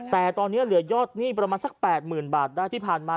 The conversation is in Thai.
แต่ตอนนี้เหลือยอดหนี้ประมาณสัก๘๐๐๐บาทได้ที่ผ่านมา